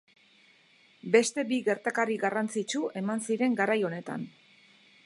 Beste bi gertakari garrantzitsu eman ziren garai honetan.